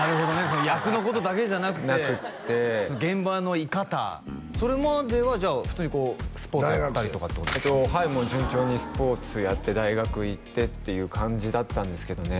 その役のことだけじゃなくてなくって現場のいかたそれまではじゃあ普通にこうスポーツやったりとかってことはいもう順調にスポーツやって大学行ってっていう感じだったんですけどね